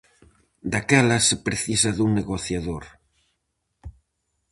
Daquela se precisa dun negociador.